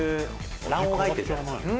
「卵黄が入ってるじゃないですか」